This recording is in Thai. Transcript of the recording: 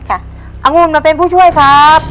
องุ่นมาเป็นผู้ช่วยครับ